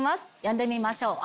呼んでみましょう。